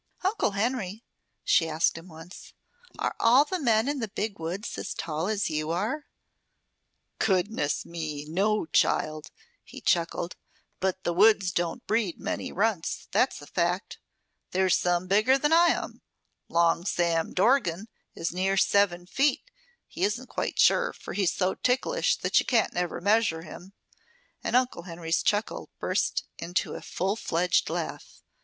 "Uncle Henry," she asked him once, "are all the men in the Big Woods as tall as you are?" "Goodness me! No, child," he chuckled. "But the woods don't breed many runts, that's a fact. There's some bigger than I. Long Sam Dorgan is near seven feet he isn't quite sure, for he's so ticklish that you can't ever measure him," and Uncle Henry's chuckle burst into a full fledged laugh.